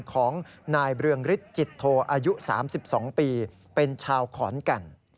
ของนายเรืองฤทธิจิตโทอายุ๓๒ปีเป็นชาวขอนแก่น